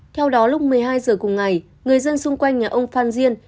theo đó lúc một mươi hai giờ cùng ngày người dân xung quanh nhà ông phan diên